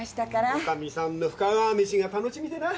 女将さんの深川飯が楽しみでなぁ！